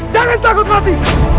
jangan takut mati